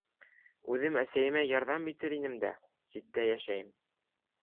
Үҙем әсәйемә ярҙам итер инем дә, ситтә йәшәйем.